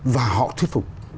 và họ thuyết phục